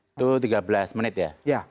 itu tiga belas menit ya